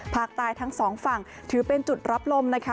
ภาคใต้ทั้งสองฝั่งถือเป็นจุดรับลมนะคะ